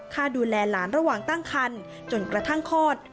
ค่าดูแลหลานระหว่างตั้งคันจนกระทั่งคลอด